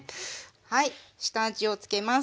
はい下味をつけます。